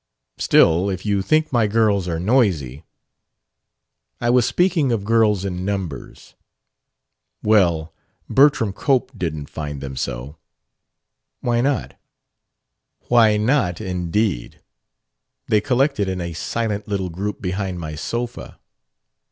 "Still, if you think my girls are noisy...." "I was speaking of girls in numbers." "Well, Bertram Cope didn't find them so." "Why not?" "Why not, indeed? They collected in a silent little group behind my sofa...."